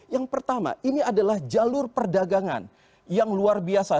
yang pertama ini adalah jalur perdagangan yang luar biasa